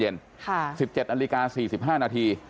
เวลา๑๗น๔๕น